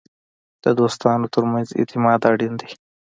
د دوستانو ترمنځ اعتماد اړین دی.